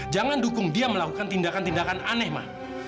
jangan dukung dia melakukan tindakan tindakan aneh mah